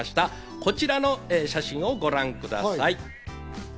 こちらの写真をご覧ください。